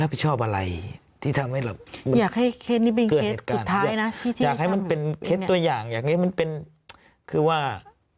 อยากให้เคล็ดตัวอย่างคือว่า